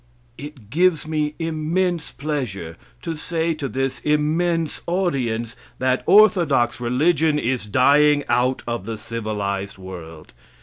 It gives me immense pleasure to say to this immense audience that orthodox religion is dying out of the civilized world.